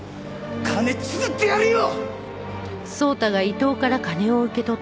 金作ってやるよ！